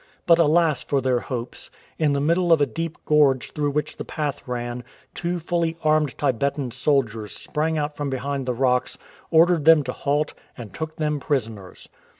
But alas for their hopes ! In the middle of a deep gorge through which the path ran, two fully armed Tibetan soldiers sprang out from behind the rocks, ordered them to halt, and took them prisoners.